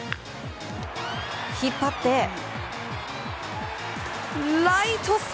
引っ張ってライト線！